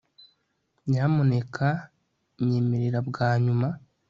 nyamuneka nyemerera bwa nyuma